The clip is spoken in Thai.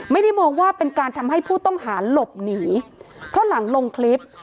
ไม่ได้มองว่าเป็นการทำให้ผู้ต้องหาหลบหนีเพราะหลังลงคลิป